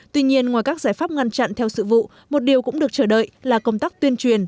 tuy nhiên ngoài các giải pháp ngăn chặn theo sự vụ một điều cũng được chờ đợi là công tác tuyên truyền